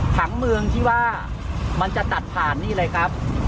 ถังเมืองที่ว่ามันจะตัดผ่านนี่เลยครับ